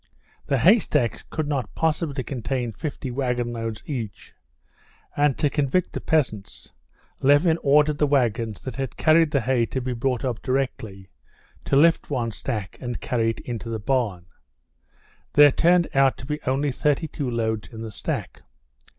The haystacks could not possibly contain fifty wagon loads each, and to convict the peasants Levin ordered the wagons that had carried the hay to be brought up directly, to lift one stack, and carry it into the barn. There turned out to be only thirty two loads in the stack.